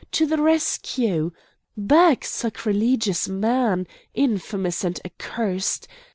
to the rescue! Back, sacrilegious man! infamous and accursed!